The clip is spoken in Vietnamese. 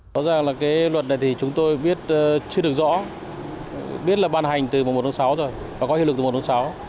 rõ ràng là cái luật này thì chúng tôi biết chưa được rõ biết là ban hành từ mùa một tháng sáu rồi và có hiệu lực từ mùa tháng sáu